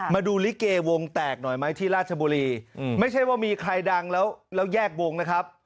มาดูลิเกวงแตกหน่อยไหมที่ราชบุรีไม่ใช่ว่ามีใครดังแล้วแยกวงนะครับ